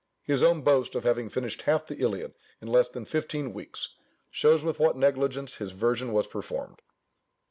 His own boast, of having finished half the Iliad in less than fifteen weeks, shows with what negligence his version was performed.